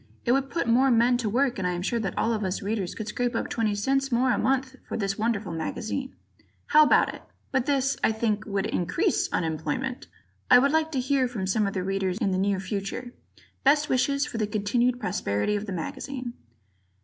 It would put more men to work and I am sure that all of us Readers could scrape up 20c more a month for this wonderful magazine. How about it? [But this, I think, would increase unemployment! Ed.]. I would like to hear from some of the Readers in the near future. Best wishes for the continued prosperity of the magazine.